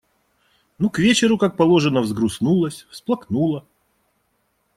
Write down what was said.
Ну, к вечеру, как положено, взгрустнулось, всплакнула.